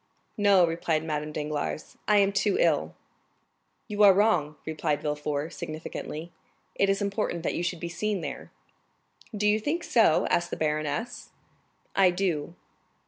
"No," replied Madame Danglars, "I am too ill." "You are wrong," replied Villefort, significantly; "it is important that you should be seen there." "Do you think so?" asked the baroness. "I do."